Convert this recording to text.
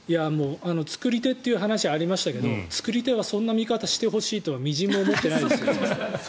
作り手という話がありましたけど作り手はそんな見方してほしいとは微塵も思ってないですよ。